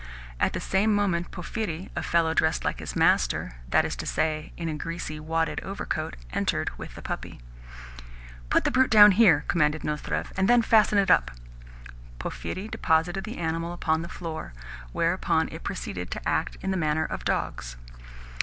At the same moment Porphyri a fellow dressed like his master (that is to say, in a greasy, wadded overcoat) entered with the puppy. "Put the brute down here," commanded Nozdrev, "and then fasten it up." Porphyri deposited the animal upon the floor; whereupon it proceeded to act after the manner of dogs.